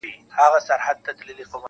دغه تیارې غواړي د سپینو څراغونو کیسې,